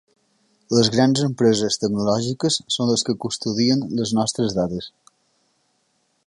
Les grans empreses tecnològiques són les que custodien les nostres dades.